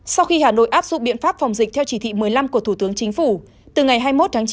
sau khi hà nội áp dụng biện pháp phòng dịch theo chỉ thị một mươi năm của thủ tướng chính phủ từ ngày hai mươi một tháng chín